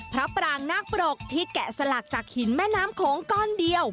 พระปรางนาคปรกที่แกะสลักจากหินแม่น้ำโขงก้อนเดียว